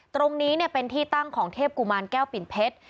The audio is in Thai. ตรงนี้เป็นที่ตั้งของเทพกุมารแก้วปิ่นเพชร